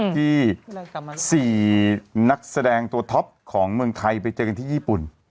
ที่๔นักแสดงตัวท็อปของเมืองไทยไปเจอกันที่ญี่ปุ่น